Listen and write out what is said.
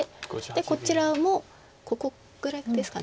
こちらもここぐらいですか。